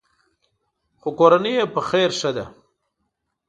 خو کورنۍ یې په خیر ښه ده.